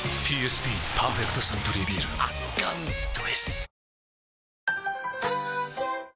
ＰＳＢ「パーフェクトサントリービール」圧巻どぇす！